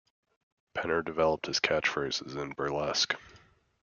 Penner developed his catch phrases in burlesque.